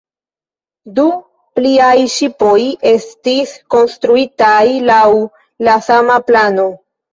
Du pliaj ŝipoj estis konstruitaj laŭ la sama plano.